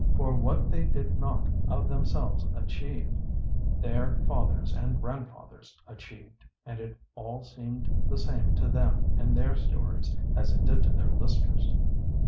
For what they did not of themselves achieve, their fathers and grandfathers achieved, and it all seemed the same to them in their stories, as it did to their listeners.